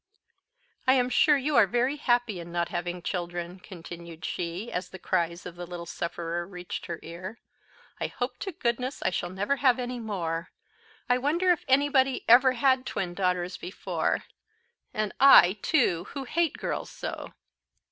"I am sure you are very happy in not having children," continued she, as the cries of the little sufferer reached her ear; "I hope to goodness I shall never have any more. I wonder if anybody ever had twin daughters before, and I, too, who hate girls so!"